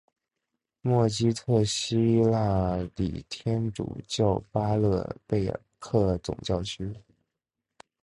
默基特希腊礼天主教巴勒贝克总教区。